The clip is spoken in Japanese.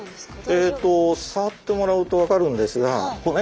えっとさわってもらうと分かるんですがあれ？